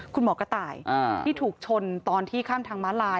คุณหมอกระต่ายที่ถูกชนตอนที่ข้ามทางม้าลาย